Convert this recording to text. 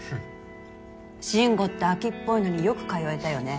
慎吾って飽きっぽいのによく通えたよね。